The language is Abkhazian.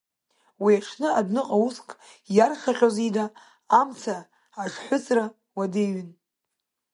Уи аҽны, адәныҟа уск иаршаҟьоз ида, амца аҽҳәыҵра уадаҩн.